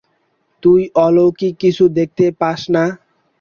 তুই অলৌকিক কিছু দেখতে পাস না!